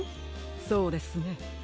そうですね。